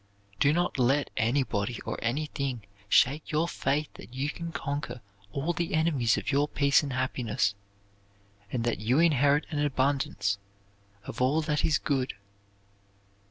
Do not let anybody or anything shake your faith that you can conquer all the enemies of your peace and happiness, and that you inherit an abundance of all that is good.